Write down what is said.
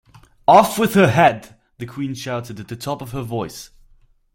‘Off with her head!’ the Queen shouted at the top of her voice.